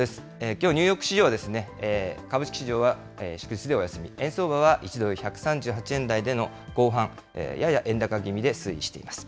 きょうニューヨーク市場は株式市場は祝日でお休み、円相場１ドル１３８円台での後半、やや円高気味で推移しています。